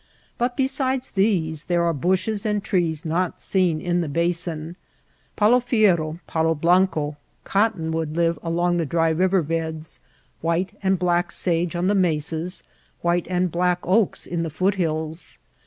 But besides these there are bushes and trees not seen in the basin. Palo fierro, palo bianco, cottonwood live along the dry river beds, white and black sage on the mesas, white and black oaks in the foot hills.